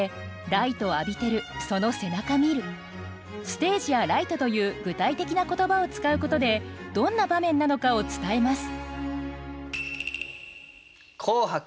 「ステージ」や「ライト」という具体的な言葉を使うことでどんな場面なのかを伝えます。